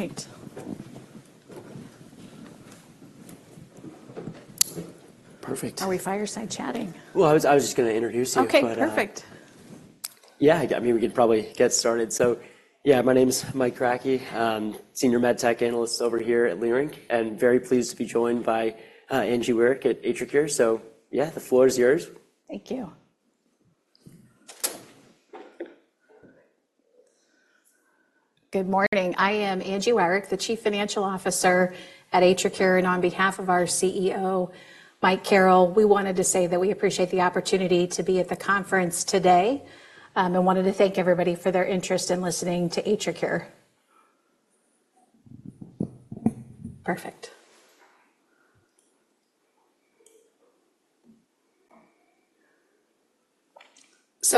All right. Perfect. Are we fireside chatting? Well, I was just going to introduce you, but- Okay, perfect. Yeah, I mean, we could probably get started. So yeah, my name is Mike Kratky, Senior MedTech Analyst over here at Leerink, and very pleased to be joined by Angie Wirick at AtriCure. So yeah, the floor is yours. Thank you. Good morning. I am Angie Wirick, the Chief Financial Officer at AtriCure, and on behalf of our CEO, Mike Carrel, we wanted to say that we appreciate the opportunity to be at the conference today, and wanted to thank everybody for their interest in listening to AtriCure. Perfect.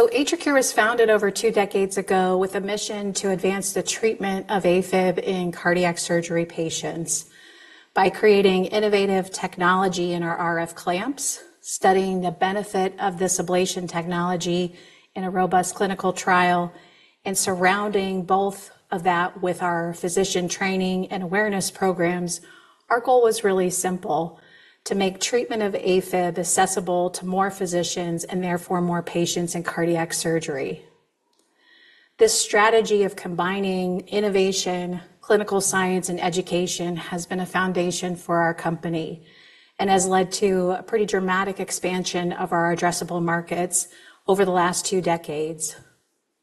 AtriCure was founded over two decades ago with a mission to advance the treatment of AFib in cardiac surgery patients by creating innovative technology in our RF Clamps, studying the benefit of this ablation technology in a robust clinical trial, and surrounding both of that with our physician training and awareness programs. Our goal was really simple: to make treatment of AFib accessible to more physicians and therefore more patients in cardiac surgery. This strategy of combining innovation, clinical science, and education has been a foundation for our company and has led to a pretty dramatic expansion of our addressable markets over the last two decades.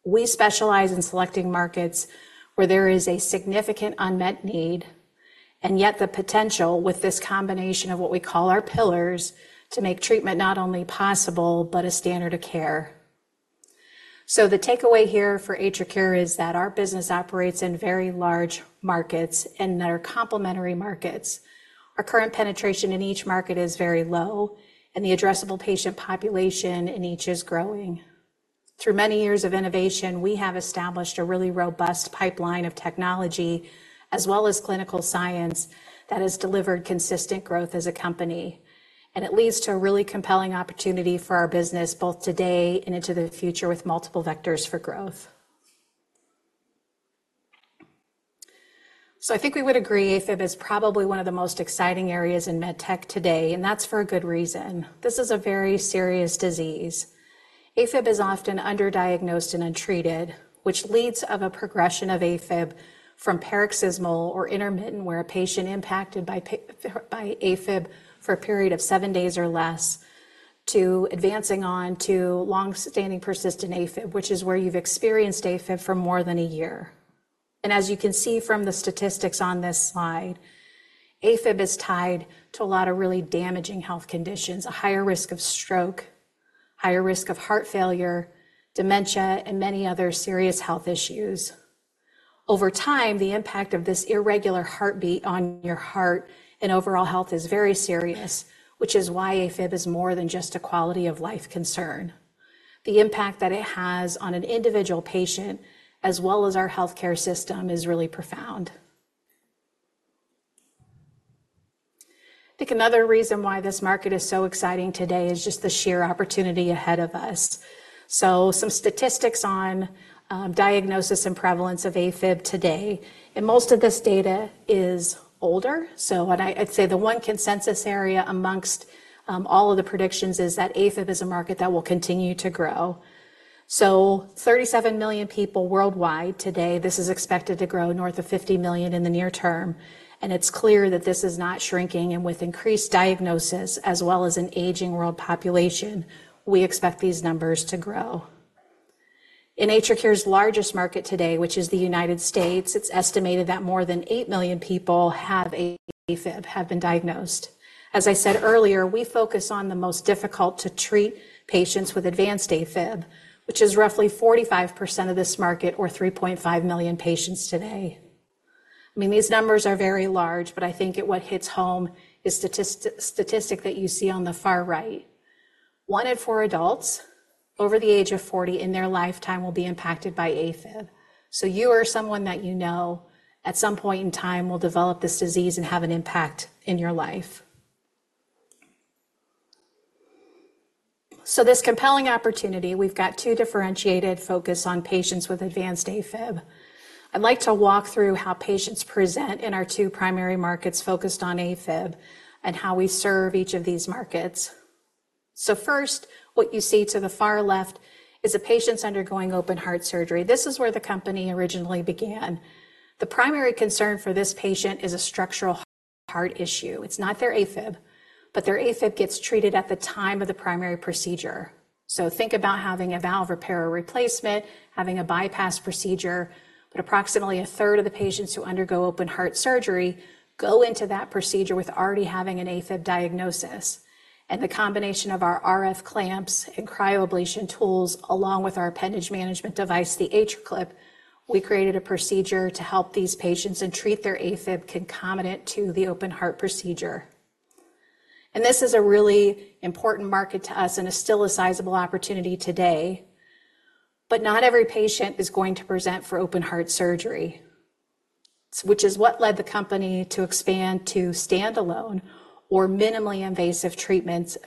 We specialize in selecting markets where there is a significant unmet need, and yet the potential with this combination of what we call our pillars, to make treatment not only possible but a standard of care. So the takeaway here for AtriCure is that our business operates in very large markets and that are complementary markets. Our current penetration in each market is very low, and the addressable patient population in each is growing. Through many years of innovation, we have established a really robust pipeline of technology, as well as clinical science, that has delivered consistent growth as a company, and it leads to a really compelling opportunity for our business, both today and into the future, with multiple vectors for growth. So I think we would agree AFib is probably one of the most exciting areas in med tech today, and that's for a good reason. This is a very serious disease. AFib is often underdiagnosed and untreated, which leads to a progression of AFib from paroxysmal or intermittent, where a patient impacted by by AFib for a period of seven days or less, to advancing on to long-standing persistent AFib, which is where you've experienced AFib for more than a year. As you can see from the statistics on this slide, AFib is tied to a lot of really damaging health conditions, a higher risk of stroke, higher risk of heart failure, dementia, and many other serious health issues. Over time, the impact of this irregular heartbeat on your heart and overall health is very serious, which is why AFib is more than just a quality-of-life concern. The impact that it has on an individual patient, as well as our healthcare system, is really profound. I think another reason why this market is so exciting today is just the sheer opportunity ahead of us. Some statistics on diagnosis and prevalence of AFib today, and most of this data is older. What I'd say the one consensus area amongst all of the predictions is that AFib is a market that will continue to grow. So 37 million people worldwide today, this is expected to grow north of 50 million in the near term, and it's clear that this is not shrinking, and with increased diagnosis, as well as an aging world population, we expect these numbers to grow. In AtriCure's largest market today, which is the United States, it's estimated that more than 8 million people have AFib, have been diagnosed. As I said earlier, we focus on the most difficult-to-treat patients with advanced AFib, which is roughly 45% of this market, or 3.5 million patients today. I mean, these numbers are very large, but I think what hits home is the statistic that you see on the far right. One in four adults over the age of 40, in their lifetime, will be impacted by AFib. So, you or someone that you know, at some point in time, will develop this disease and have an impact in your life. This compelling opportunity, we've got two differentiated focus on patients with advanced AFib. I'd like to walk through how patients present in our two primary markets focused on AFib and how we serve each of these markets. First, what you see to the far left is the patients undergoing open heart surgery. This is where the company originally began. The primary concern for this patient is a structural heart issue. It's not their AFib, but their AFib gets treated at the time of the primary procedure. So think about having a valve repair or replacement, having a bypass procedure, but approximately a third of the patients who undergo open heart surgery go into that procedure with already having an AFib diagnosis. The combination of our RF Clamps and cryoablation tools, along with our appendage management device, the AtriClip, we created a procedure to help these patients and treat their AFib concomitant to the open heart procedure. This is a really important market to us and is still a sizable opportunity today. Not every patient is going to present for open heart surgery, which is what led the company to expand to standalone or minimally invasive treatments,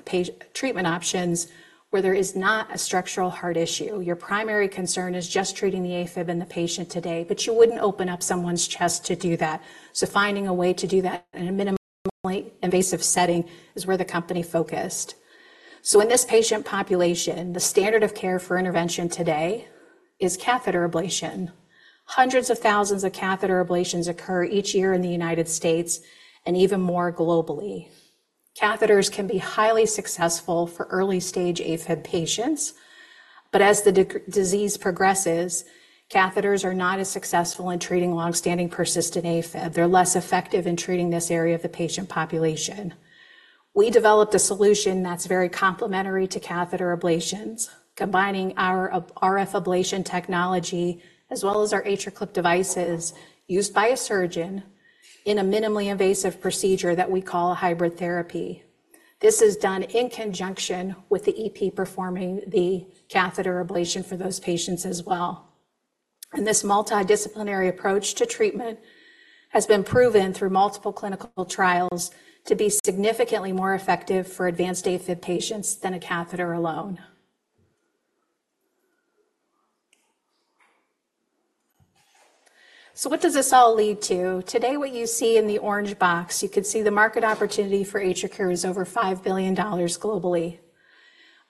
treatment options, where there is not a structural heart issue. Your primary concern is just treating the AFib in the patient today, but you wouldn't open up someone's chest to do that. Finding a way to do that in a minimally invasive setting is where the company focused. In this patient population, the standard of care for intervention today is catheter ablation. Hundreds of thousands of catheter ablations occur each year in the United States, and even more globally. Catheters can be highly successful for early-stage AFib patients, but as the disease progresses, catheters are not as successful in treating long-standing persistent AFib. They're less effective in treating this area of the patient population. We developed a solution that's very complementary to catheter ablations, combining our RF ablation technology, as well as our AtriClip devices, used by a surgeon in a minimally invasive procedure that we call a hybrid therapy. This is done in conjunction with the EP performing the catheter ablation for those patients as well. And this multidisciplinary approach to treatment has been proven through multiple clinical trials to be significantly more effective for advanced AFib patients than a catheter alone. So what does this all lead to? Today, what you see in the orange box, you can see the market opportunity for AtriCure is over $5 billion globally.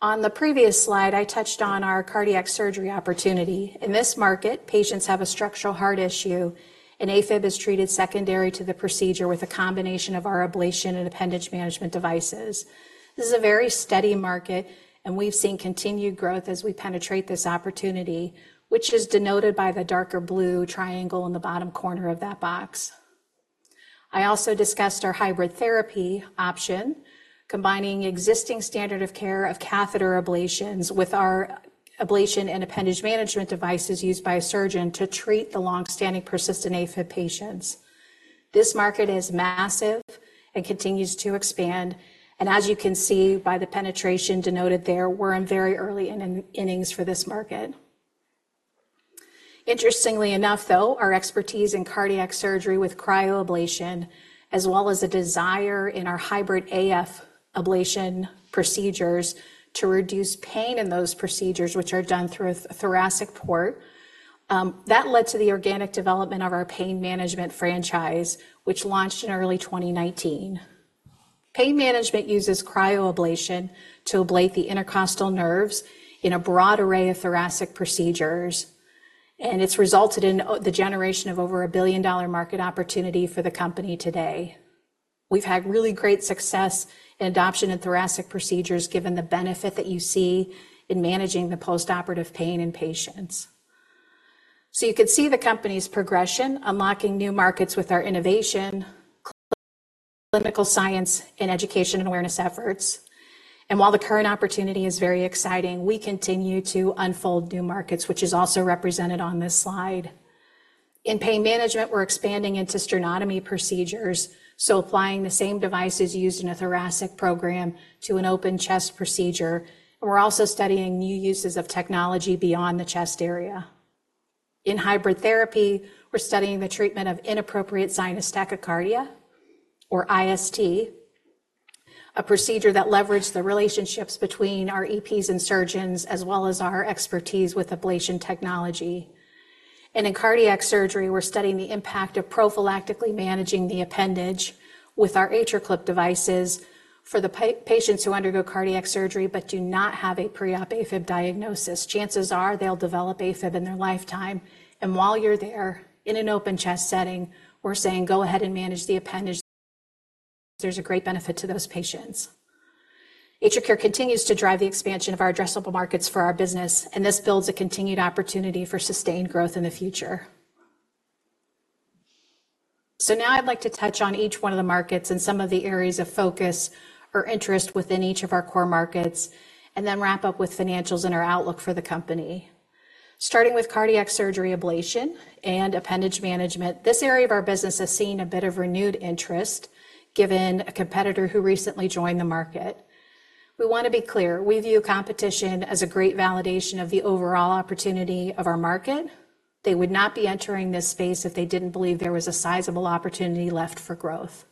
On the previous slide, I touched on our cardiac surgery opportunity. In this market, patients have a structural heart issue, and AFib is treated secondary to the procedure with a combination of our ablation and appendage management devices. This is a very steady market, and we've seen continued growth as we penetrate this opportunity, which is denoted by the darker blue triangle in the bottom corner of that box. I also discussed our hybrid therapy option, combining existing standard of care of catheter ablations with our ablation and appendage management devices used by a surgeon to treat the long-standing persistent AFib patients. This market is massive and continues to expand, and as you can see by the penetration denoted there, we're in very early innings for this market. Interestingly enough, though, our expertise in cardiac surgery with cryoablation, as well as a desire in our hybrid AF ablation procedures to reduce pain in those procedures, which are done through a thoracic port, that led to the organic development of our pain management franchise, which launched in early 2019. Pain management uses cryoablation to ablate the intercostal nerves in a broad array of thoracic procedures, and it's resulted in the generation of over a billion-dollar market opportunity for the company today. We've had really great success in adoption of thoracic procedures, given the benefit that you see in managing the postoperative pain in patients. So you can see the company's progression, unlocking new markets with our innovation, clinical science, and education and awareness efforts. And while the current opportunity is very exciting, we continue to unfold new markets, which is also represented on this slide. In pain management, we're expanding into sternotomy procedures, so applying the same devices used in a thoracic program to an open chest procedure. And we're also studying new uses of technology beyond the chest area. In hybrid therapy, we're studying the treatment of inappropriate sinus tachycardia, or IST, a procedure that leveraged the relationships between our EPs and surgeons, as well as our expertise with ablation technology. And in cardiac surgery, we're studying the impact of prophylactically managing the appendage with our AtriClip devices. For the patients who undergo cardiac surgery but do not have a pre-op AFib diagnosis, chances are they'll develop AFib in their lifetime. And while you're there in an open chest setting, we're saying, "Go ahead and manage the appendage. There's a great benefit to those patients." AtriCure continues to drive the expansion of our addressable markets for our business, and this builds a continued opportunity for sustained growth in the future. So now I'd like to touch on each one of the markets and some of the areas of focus or interest within each of our core markets, and then wrap up with financials and our outlook for the company. Starting with cardiac surgery, ablation, and appendage management, this area of our business has seen a bit of renewed interest, given a competitor who recently joined the market. We want to be clear: We view competition as a great validation of the overall opportunity of our market. They would not be entering this space if they didn't believe there was a sizable opportunity left for growth.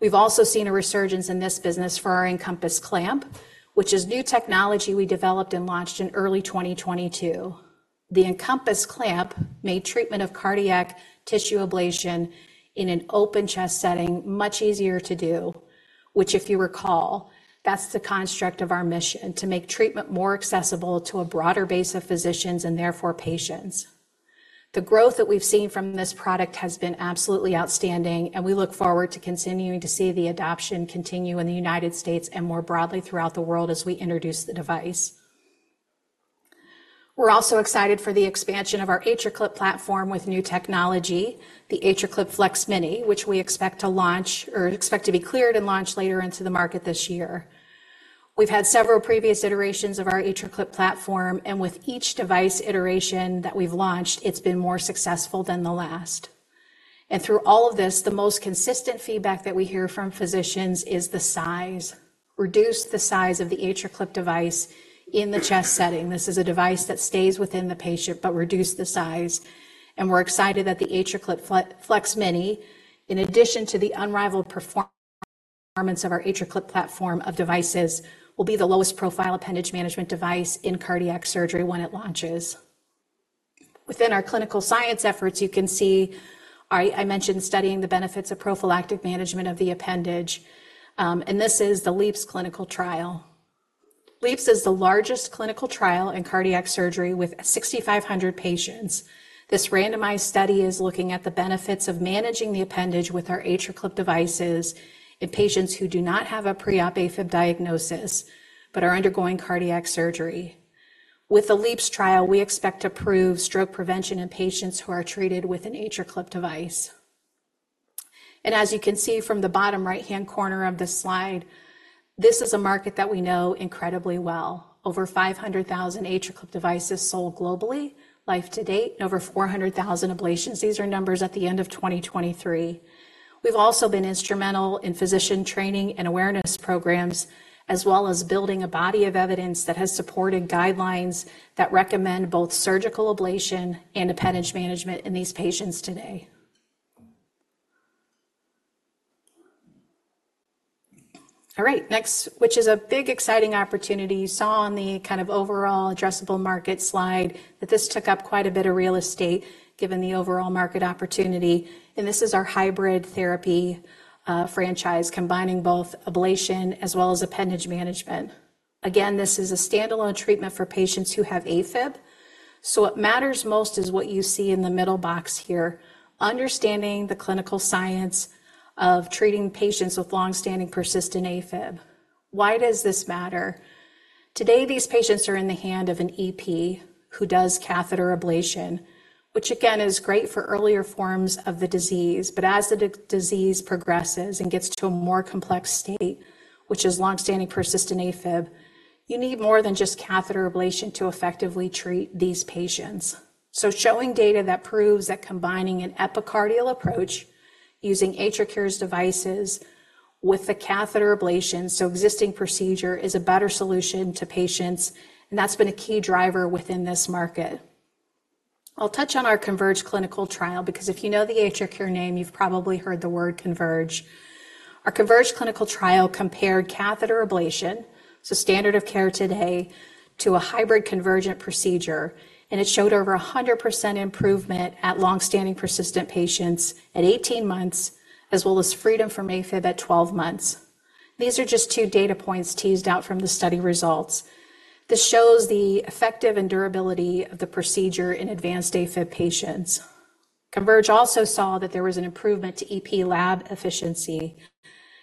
We've also seen a resurgence in this business for our EnCompass Clamp, which is new technology we developed and launched in early 2022. The EnCompass Clamp made treatment of cardiac tissue ablation in an open chest setting much easier to do, which, if you recall, that's the construct of our mission: to make treatment more accessible to a broader base of physicians and therefore, patients. The growth that we've seen from this product has been absolutely outstanding, and we look forward to continuing to see the adoption continue in the United States and more broadly throughout the world as we introduce the device. We're also excited for the expansion of our AtriClip platform with new technology, the AtriClip FLEX-Mini, which we expect to launch... or expect to be cleared and launched later into the market this year. We've had several previous iterations of our AtriClip platform, and with each device iteration that we've launched, it's been more successful than the last. And through all of this, the most consistent feedback that we hear from physicians is the size. "Reduce the size of the AtriClip device in the chest setting. This is a device that stays within the patient, but reduce the size." And we're excited that the AtriClip FLEX-Mini, in addition to the unrivaled performance of our AtriClip platform of devices, will be the lowest profile appendage management device in cardiac surgery when it launches. Within our clinical science efforts, you can see I mentioned studying the benefits of prophylactic management of the appendage, and this is the LeAAPS clinical trial. LeAAPS is the largest clinical trial in cardiac surgery with 6,500 patients. This randomized study is looking at the benefits of managing the appendage with our AtriClip devices in patients who do not have a pre-op AFib diagnosis but are undergoing cardiac surgery. With the LeAAPS trial, we expect to prove stroke prevention in patients who are treated with an AtriClip device. And as you can see from the bottom right-hand corner of this slide, this is a market that we know incredibly well. Over 500,000 AtriClip devices sold globally, life to date, and over 400,000 ablations. These are numbers at the end of 2023. We've also been instrumental in physician training and awareness programs, as well as building a body of evidence that has supported guidelines that recommend both surgical ablation and appendage management in these patients today. All right, next, which is a big, exciting opportunity. You saw on the kind of overall addressable market slide that this took up quite a bit of real estate, given the overall market opportunity, and this is our hybrid therapy franchise, combining both ablation as well as appendage management. Again, this is a standalone treatment for patients who have AFib. So what matters most is what you see in the middle box here, understanding the clinical science of treating patients with long-standing persistent AFib. Why does this matter? Today, these patients are in the hand of an EP who does catheter ablation, which again, is great for earlier forms of the disease, but as the disease progresses and gets to a more complex state, which is long-standing persistent AFib, you need more than just catheter ablation to effectively treat these patients. So showing data that proves that combining an epicardial approach using AtriCure's devices with the catheter ablation, so existing procedure, is a better solution to patients, and that's been a key driver within this market. I'll touch on our CONVERGE clinical trial because if you know the AtriCure name, you've probably heard the word converge. Our CONVERGE clinical trial compared catheter ablation, so standard of care today, to a hybrid Convergent procedure, and it showed over 100% improvement at long-standing persistent patients at 18 months, as well as freedom from AFib at 12 months. These are just two data points teased out from the study results. This shows the effective and durability of the procedure in advanced AFib patients. CONVERGE also saw that there was an improvement to EP lab efficiency.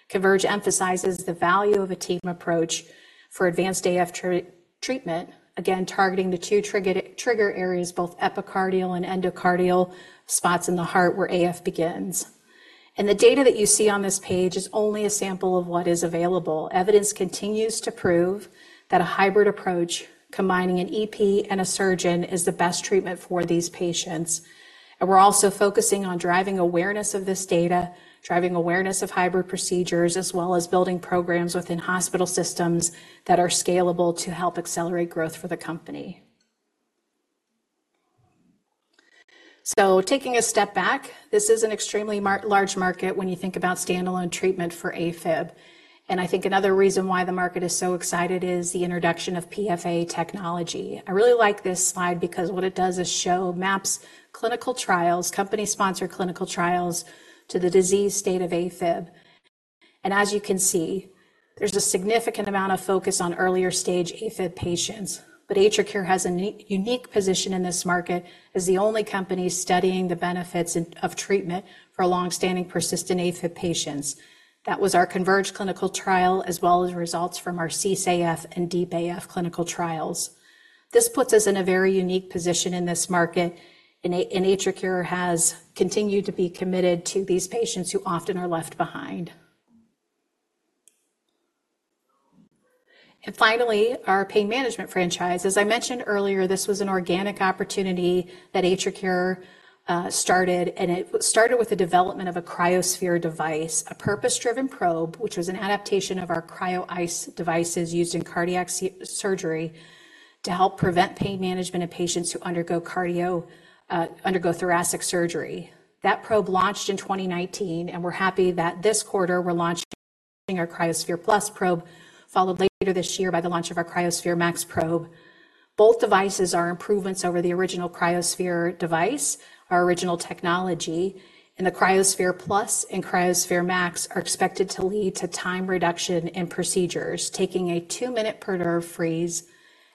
CONVERGE emphasizes the value of a team approach for advanced AFib treatment, again, targeting the two trigger areas, both epicardial and endocardial spots in the heart where AFib begins. And the data that you see on this page is only a sample of what is available. Evidence continues to prove that a hybrid approach, combining an EP and a surgeon, is the best treatment for these patients. And we're also focusing on driving awareness of this data, driving awareness of hybrid procedures, as well as building programs within hospital systems that are scalable to help accelerate growth for the company. So taking a step back, this is an extremely large market when you think about standalone treatment for AFib, and I think another reason why the market is so excited is the introduction of PFA technology. I really like this slide because what it does is show maps, clinical trials, company-sponsored clinical trials, to the disease state of AFib. As you can see, there's a significant amount of focus on earlier-stage AFib patients. But AtriCure has a unique position in this market as the only company studying the benefits of treatment for long-standing persistent AFib patients. That was our CONVERGE clinical trial, as well as results from our CEASE-AF and DEEP AF clinical trials. This puts us in a very unique position in this market, and AtriCure has continued to be committed to these patients who often are left behind. Finally, our pain management franchise. As I mentioned earlier, this was an organic opportunity that AtriCure started, and it started with the development of a cryoSPHERE device, a purpose-driven probe, which was an adaptation of our cryoICE devices used in cardiac surgery to help prevent pain management in patients who undergo thoracic surgery. That probe launched in 2019, and we're happy that this quarter, we're launching our cryoSPHERE+ probe, followed later this year by the launch of our cryoSPHERE MAX probe. Both devices are improvements over the original cryoSPHERE device, our original technology, and the cryoSPHERE+ and cryoSPHERE MAX are expected to lead to time reduction in procedures, taking a two-minute per nerve freeze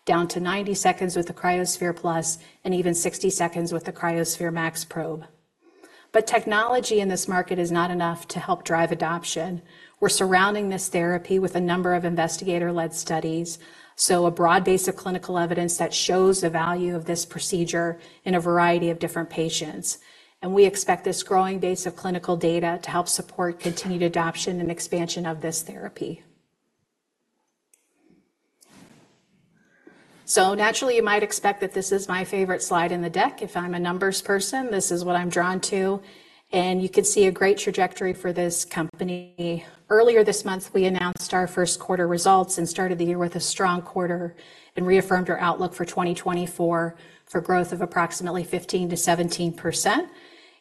down to 90 seconds with the cryoSPHERE+ and even 60 seconds with the cryoSPHERE MAX probe. But technology in this market is not enough to help drive adoption. We're surrounding this therapy with a number of investigator-led studies, so a broad base of clinical evidence that shows the value of this procedure in a variety of different patients. And we expect this growing base of clinical data to help support continued adoption and expansion of this therapy. So naturally, you might expect that this is my favorite slide in the deck. If I'm a numbers person, this is what I'm drawn to, and you can see a great trajectory for this company. Earlier this month, we announced our first quarter results and started the year with a strong quarter and reaffirmed our outlook for 2024 for growth of approximately 15%-17%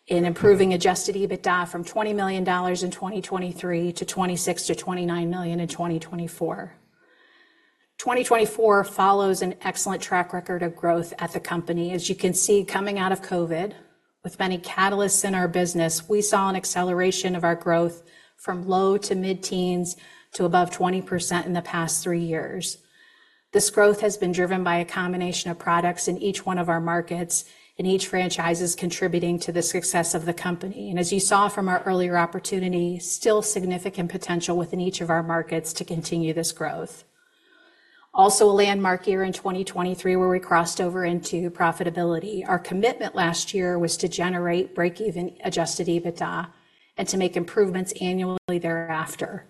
in improving Adjusted EBITDA from $20 million in 2023 to $26 million-$29 million in 2024.... 2024 follows an excellent track record of growth at the company. As you can see, coming out of COVID, with many catalysts in our business, we saw an acceleration of our growth from low- to mid-teens to above 20% in the past three years. This growth has been driven by a combination of products in each one of our markets, and each franchise is contributing to the success of the company. As you saw from our earlier opportunity, still significant potential within each of our markets to continue this growth. Also, a landmark year in 2023, where we crossed over into profitability. Our commitment last year was to generate break-even Adjusted EBITDA and to make improvements annually thereafter.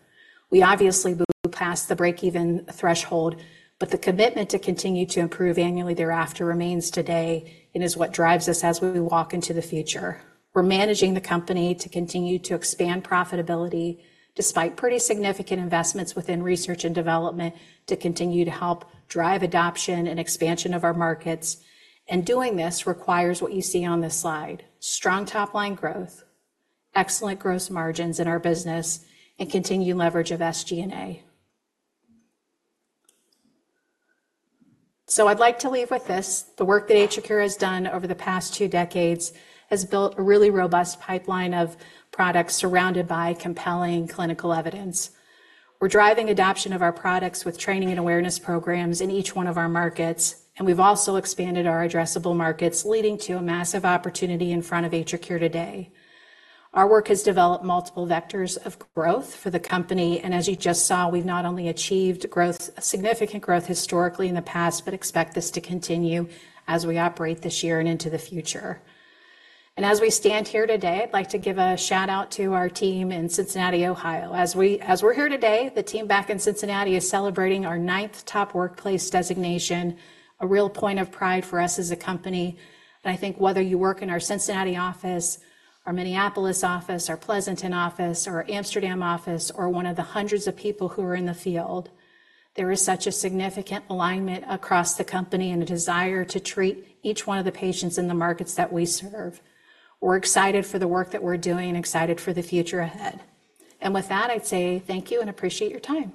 We obviously moved past the break-even threshold, but the commitment to continue to improve annually thereafter remains today and is what drives us as we walk into the future. We're managing the company to continue to expand profitability, despite pretty significant investments within research and development, to continue to help drive adoption and expansion of our markets. And doing this requires what you see on this slide: strong top-line growth, excellent gross margins in our business, and continued leverage of SG&A. So I'd like to leave with this. The work that AtriCure has done over the past two decades has built a really robust pipeline of products surrounded by compelling clinical evidence. We're driving adoption of our products with training and awareness programs in each one of our markets, and we've also expanded our addressable markets, leading to a massive opportunity in front of AtriCure today. Our work has developed multiple vectors of growth for the company, and as you just saw, we've not only achieved growth, significant growth historically in the past, but expect this to continue as we operate this year and into the future. As we stand here today, I'd like to give a shout-out to our team in Cincinnati, Ohio. As we're here today, the team back in Cincinnati is celebrating our ninth Top Workplace designation, a real point of pride for us as a company. I think whether you work in our Cincinnati office, our Minneapolis office, our Pleasanton office, our Amsterdam office, or one of the hundreds of people who are in the field, there is such a significant alignment across the company and a desire to treat each one of the patients in the markets that we serve. We're excited for the work that we're doing and excited for the future ahead. With that, I'd say thank you and appreciate your time.